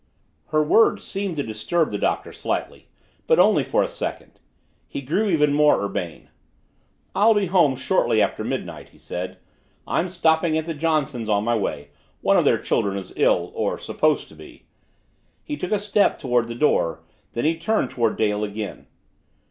Her words seemed to disturb the Doctor slightly but only for a second. He grew even more urbane. "I'll be home shortly after midnight," he said. "I'm stopping at the Johnsons' on my way one of their children is ill or supposed to be." He took a step toward the door, then he turned toward Dale again.